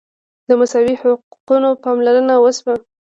د مساوي حقونو پاملرنه وشوه.